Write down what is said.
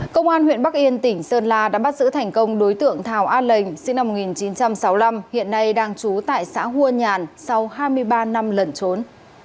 công an huyện bắc yên tỉnh sơn la đã bắt giữ thành công đối tượng thảo a lệnh sinh năm một nghìn chín trăm sáu mươi năm hiện nay đang trú tại xã hua nhàn sau hai mươi ba năm lần trốn